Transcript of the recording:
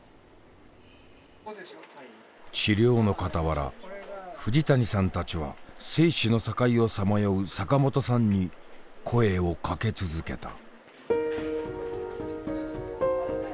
治療の傍ら藤谷さんたちは生死の境をさまよう坂本さんに声をかけ続けた。